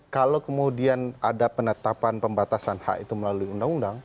kalau kemudian ada penetapan pembatasan hak itu melalui undang undang